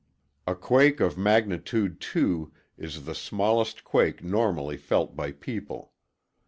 A quake of magnitude 2 is the smallest quake normally felt by people.